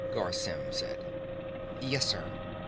Garr Symm said. "Yes, sir.